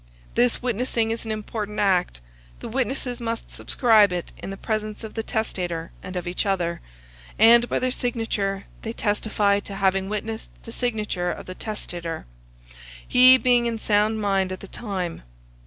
This witnessing is an important act: the witnesses must subscribe it in the presence of the testator and of each other; and by their signature they testify to having witnessed the signature of the testator, he being in sound mind at the time.